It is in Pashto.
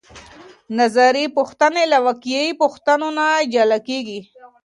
نظري پوښتنې له واقعي پوښتنو نه جلا کیږي.